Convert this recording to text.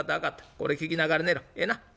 これ聞きながら寝ろええな？